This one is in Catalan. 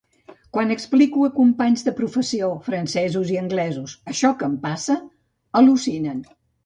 Quan explico a companys de professió francesos i anglesos això que em passa , al·lucinen.